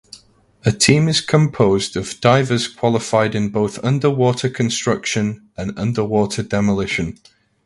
A team is composed of divers qualified in both underwater construction and underwater demolition.